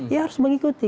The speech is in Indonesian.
ya harus mengikuti